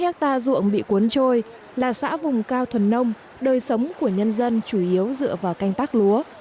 các công trình thủy lợi bị cuốn trôi là xã vùng cao thuần nông đời sống của nhân dân chủ yếu dựa vào canh tác lúa